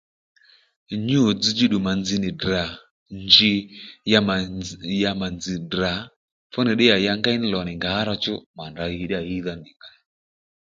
Nyǔ dzzdjú ddù mà nzz nì Ddrà nji ya mà nzz̀ ddrà fúnì ddíyà ya ngéy ní lò nì ngǎ ró chú mà nì rǎ ɦiy ddíyà ɦíydha ní